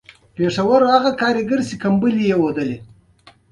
"تذکرةالاولیا" د سلیمان ماکو اثر دﺉ.